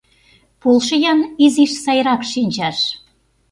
Полшо-ян изиш сайрак шинчаш...